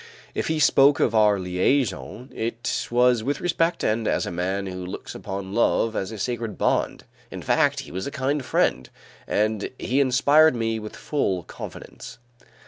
If he spoke of our liaison, it was with respect and as a man who looks upon love as a sacred bond; in fact, he was a kind friend, and he inspired me with full confidence.